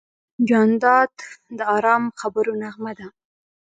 جانداد د ارام خبرو نغمه ده.